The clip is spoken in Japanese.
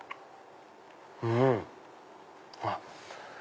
うん！あっ！